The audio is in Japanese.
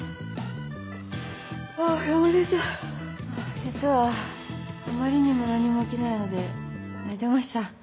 実はあまりにも何も起きないので寝てました。